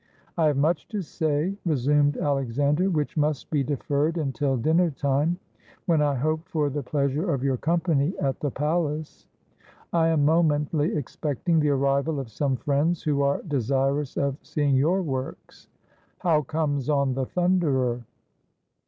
"I have much to say," resumed Alexander, "which must be deferred until dinner time, when I hope for the pleasure of your company at the palace. I am momently expecting the arrival of some friends who are desirous of seeing your works. How comes on ' The Thunderer